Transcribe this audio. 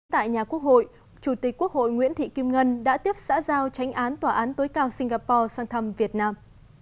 tại nhà quốc hội chủ tịch quốc hội nguyễn thị kim ngân đã tiếp xã giao tránh án tòa án tối cao singapore sang thăm việt nam